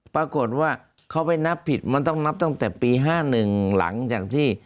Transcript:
ปรากฏว่าเขาไปนับผิดมันต้องนับตั้งแต่ปี๕๑หลังจากที่